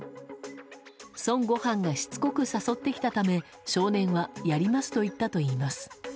孫悟飯がしつこく誘ってきたため少年はやりますと言ったといいます。